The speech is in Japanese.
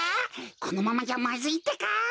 このままじゃまずいってか！